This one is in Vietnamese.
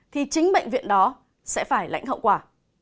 thì chính bệnh viện đó sẽ phải lãnh hậu quả